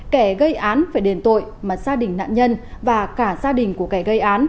kẻ gây án phải đền tội mà gia đình nạn nhân và cả gia đình của kẻ gây án